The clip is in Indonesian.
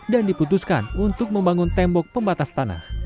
diputuskan untuk membangun tembok pembatas tanah